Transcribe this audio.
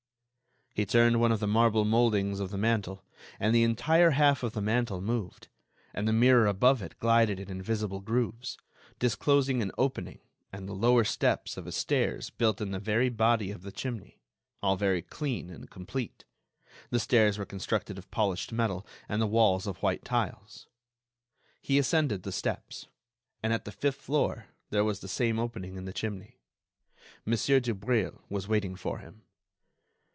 He turned one of the marble mouldings of the mantel, and the entire half of the mantel moved, and the mirror above it glided in invisible grooves, disclosing an opening and the lower steps of a stairs built in the very body of the chimney; all very clean and complete—the stairs were constructed of polished metal and the walls of white tiles. He ascended the steps, and at the fifth floor there was the same opening in the chimney. Mon. Dubreuil was waiting for him.